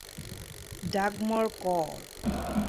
Dagmar Chr.